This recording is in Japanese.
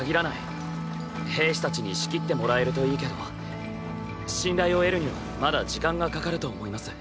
兵士たちに仕切ってもらえるといいけど信頼を得るにはまだ時間がかかると思います。